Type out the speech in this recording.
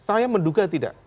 saya menduga tidak